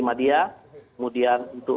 madya kemudian untuk